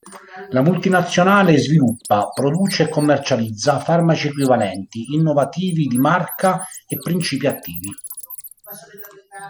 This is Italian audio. La multinazionale sviluppa, produce e commercializza farmaci equivalenti, innovativi, di marca e principi attivi.